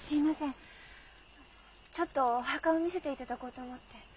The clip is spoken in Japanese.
あのちょっとお墓を見せていただこうと思って。